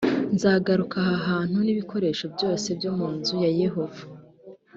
nzagarura aha hantu n’ibikoresho byose byo mu nzu ya yehova